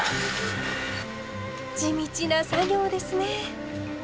地道な作業ですね。